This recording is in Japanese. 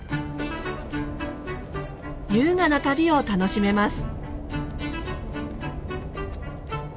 優雅な旅を楽しめます。